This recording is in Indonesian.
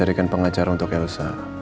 carikan pengacara untuk elsa